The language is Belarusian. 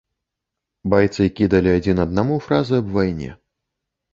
Байцы кідалі адзін аднаму фразы аб вайне.